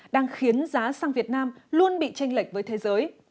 đang khiến giá xăng việt nam luôn bị tranh lệch với thế giới